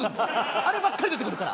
あればっかり出てくるから。